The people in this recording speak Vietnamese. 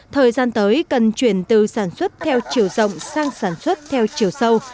thời gian tới cần chuyển từ sản xuất theo chiều rộng sang sản xuất theo chiều sâu